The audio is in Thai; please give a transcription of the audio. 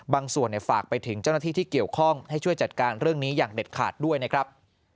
ฝากไปถึงเจ้าหน้าที่ที่เกี่ยวข้องให้ช่วยจัดการเรื่องนี้อย่างเด็ดขาดด้วยนะครับ